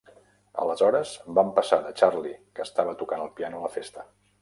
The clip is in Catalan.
Aleshores, vam passar de Charlie, que estava tocant el piano a la festa.